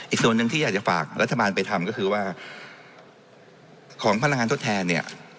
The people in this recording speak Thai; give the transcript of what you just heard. อีกส่วนหนึ่งที่อยากจะฝากรัฐบาลไปทำก็คือว่าของพลังงานทดแทนเนี่ย